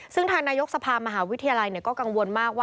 ซึ่งทางนายกสภามหาวิทยาลัยก็กังวลมากว่า